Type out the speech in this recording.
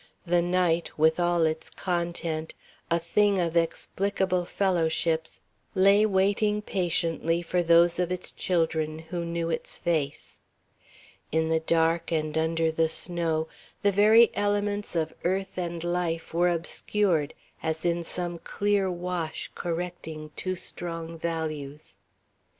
The night, with all its content, a thing of explicable fellowships, lay waiting patiently for those of its children who knew its face. In the dark and under the snow the very elements of earth and life were obscured, as in some clear wash correcting too strong values.